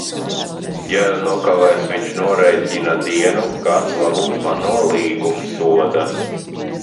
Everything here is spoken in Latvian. Ja nokavēs viņš norēķina dienu, Kāds labums man no līgumsoda?